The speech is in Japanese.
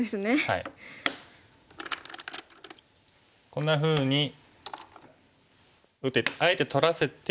こんなふうにあえて取らせて。